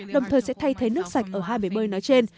đồng thời sẽ thay thế nước sạch ở hai bể bơi nói trên